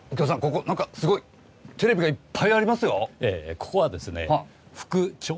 ここ何かすごいテレビがいっぱいありますよ。